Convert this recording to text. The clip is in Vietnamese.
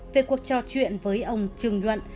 về cuộc trò chuyện với ông trường luận